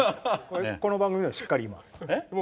この番組では、しっかり今。